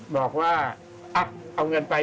บอกว่าเอาเงินไป๓๕๐๐